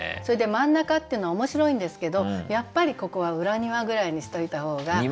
それで「真ん中」っていうの面白いんですけどやっぱりここは「裏庭」ぐらいにしといた方が。